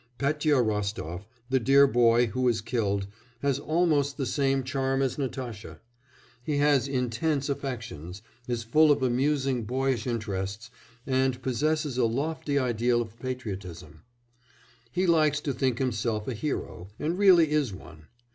Petya Rostof, the dear boy who is killed, has almost the same charm as Natasha. He has intense affections, is full of amusing boyish interests, and possesses a lofty ideal of patriotism; he likes to think himself a hero, and really is one.